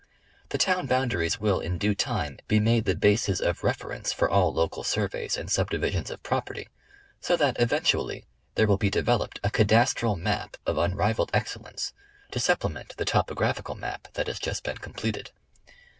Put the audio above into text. The town boundaries will in due time be made the bases of reference for all local surveys and subdivisions of property; so that, even tually, there will be developed a cadastral map of unrivaled ex cellence, to supplement the Topographical map that has just been completed.